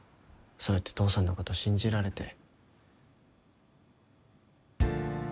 そうやって父さんのこと信じられて。